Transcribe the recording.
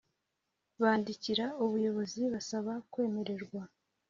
bandikira Ubuyobozi basaba kwemererwa